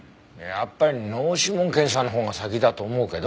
やっぱり脳指紋検査のほうが先だと思うけど。